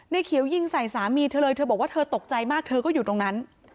เขียวยิงใส่สามีเธอเลยเธอบอกว่าเธอตกใจมากเธอก็อยู่ตรงนั้น